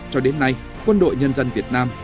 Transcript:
cho đến nay quân đội nhân dân việt nam